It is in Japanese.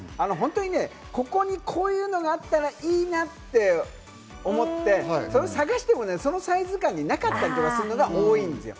ここにこういうのがあったらいいなって思って、それを探してもそのサイズ感がなかったりするのが多いんですよ。